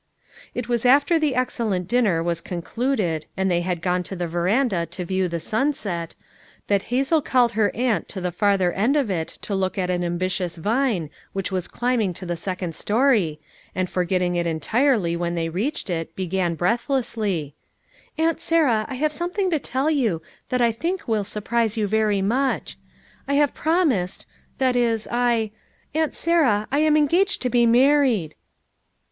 It was after the excellent dinner was con cluded and they had gone to the veranda to view the sunset, that Hazel called her aunt to the farther end of it to look at an ambitious vine which was climbing to the second story, and forgetting it entire!}' when they reached it, began breathlessly: "Aunt Sarah, T have something (o tell you that I think will surprise you very much. I have promised — that is I — Aunt Sarah, I am engaged to be married."